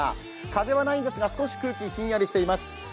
風はないんですが、少し空気ひんやりしています。